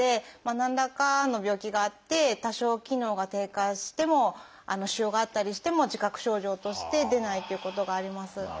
何らかの病気があって多少機能が低下しても腫瘍があったりしても自覚症状として出ないということがあります。